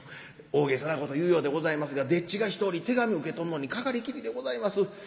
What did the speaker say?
大げさなこと言うようでございますが丁稚が１人手紙受け取るのにかかりきりでございます。